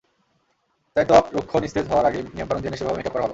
তাই ত্বক রুক্ষ নিস্তেজ হওয়ার আগেই নিয়মকানুন জেনে সেভাবে মেকআপ করা ভালো।